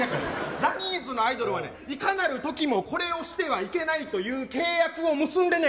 ジャニーズのアイドルはね、いかなるときもこれをしてはいけないという契約を結んでんねん。